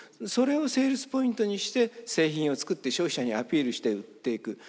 それをセールスポイントにして製品を作って消費者にアピールして売っていく。